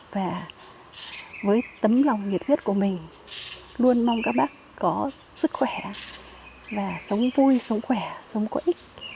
và với tấm lòng nhiệt huyết của mình luôn mong các bác có sức khỏe và sống vui sống khỏe sống có ích